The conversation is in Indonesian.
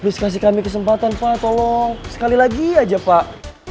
habis kasih kami kesempatan pak tolong sekali lagi aja pak